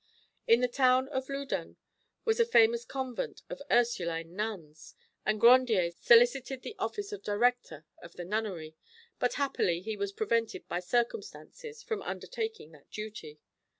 In the town of Loudun was a famous convent of Ursuline nuns, and Grandier solicited the office of director of the nunnery, but happily he was prevented by circumstances from undertaking that duty.